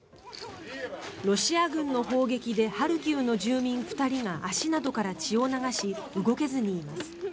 ロシア軍の砲撃でハルキウの住民２人が足などから血を流し動けずにいます。